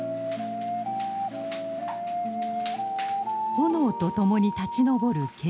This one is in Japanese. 炎とともに立ち上る煙。